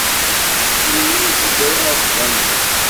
Melmi ara teddud ɣer tbanka?